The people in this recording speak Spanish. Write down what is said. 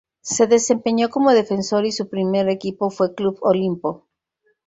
Se desempeñó como defensor y su primer equipo fue Club Olimpo.